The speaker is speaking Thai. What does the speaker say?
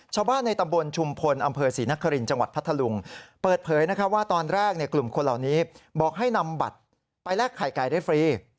ชาวบ้านในตำบลชุมพลอำเภอศรีนครินทร์จังหวัดพัทธลุงเปิดเผยว่าตอนแรกกลุ่มคนเหล่านี้บอกให้นำบัตรไปแลกไข่ไก่ได้ฟรี